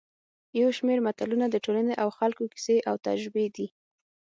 یو شمېر متلونه د ټولنې او خلکو کیسې او تجربې دي